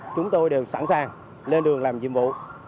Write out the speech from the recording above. chúng tôi đều sẵn sàng lên đường làm nhiệm vụ